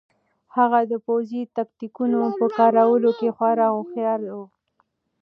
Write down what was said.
هغه د پوځي تکتیکونو په کارولو کې خورا هوښیار و.